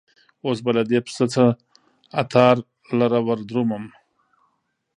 اوس به له دې پسه څه عطار لره وردرومم